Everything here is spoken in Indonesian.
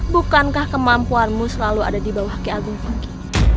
bukankah kemampuarmu selalu ada dibawah key agum punggi